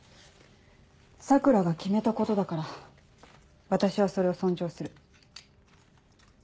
桜が決めたことだから私はそれを尊重する。